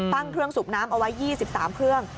ตั้งเครื่องสูบน้ำเอาไว้๒๓เครื่อง